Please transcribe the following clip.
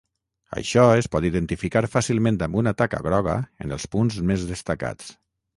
Això es pot identificar fàcilment amb una taca groga en els punts més destacats.